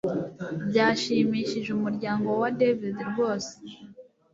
Byashimishije umuryango wa David rwose